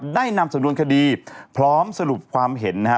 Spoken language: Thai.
นำสำนวนคดีพร้อมสรุปความเห็นนะฮะ